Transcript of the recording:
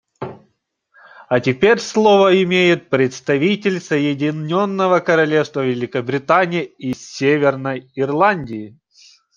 А теперь слово имеет представитель Соединенного Королевства Великобритании и Северной Ирландии.